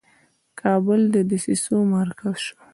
کابل د دسیسو مرکز شو.